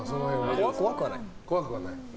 怖くはない。